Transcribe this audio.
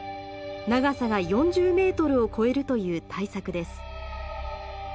長さが４０メートルを超えるという大作です。